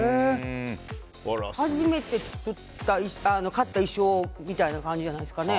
初めて買った衣装みたいな感じじゃないですかね。